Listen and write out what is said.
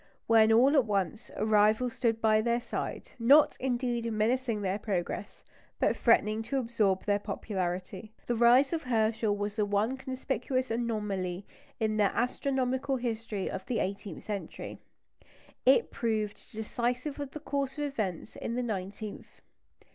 When all at once, a rival stood by their side not, indeed, menacing their progress, but threatening to absorb their popularity. The rise of Herschel was the one conspicuous anomaly in the astronomical history of the eighteenth century. It proved decisive of the course of events in the nineteenth.